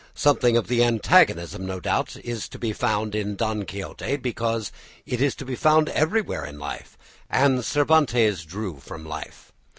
Something of the antagonism, no doubt, is to be found in "Don Quixote," because it is to be found everywhere in life, and Cervantes drew from life.